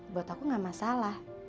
buat aku gak masalah